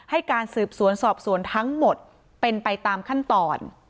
ให้การสืบสวนสอบสวนทั้งหมดเป็นไปตามขั้นตอน